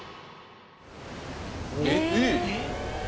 「えっ？」